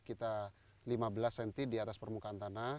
kita lima belas cm di atas permukaan tanah